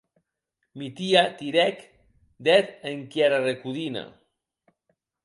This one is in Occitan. Mitia tirèc d'eth enquiara recodina.